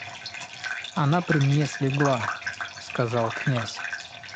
Она при мне слегла, — сказал князь.